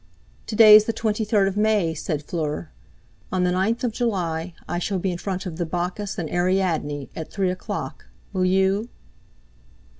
"To day's the twenty third of May," said Fleur; "on the ninth of July I shall be in front of the 'Bacchus and Ariadne' at three o'clock; will you?"